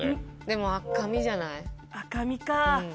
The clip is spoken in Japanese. でも赤身じゃない？赤身か。